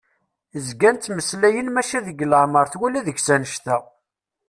Zgan ttmeslayen maca deg leɛmer twala deg-s annect-a.